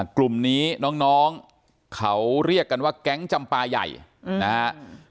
กลุ่มนี้น้องเขาเรียกกันว่าแก๊งจำปลาใหญ่นะฮะ